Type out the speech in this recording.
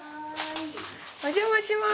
お邪魔します。